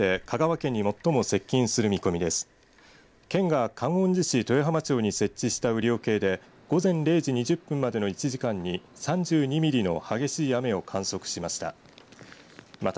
県が観音寺市豊浜町に設置した雨量計で午前０時２０分までの１時間に３２ミリの激しい雨を観測しました。